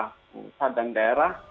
dari pemerintah sadang daerah